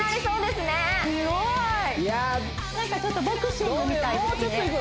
すごい何かちょっとボクシングみたいですね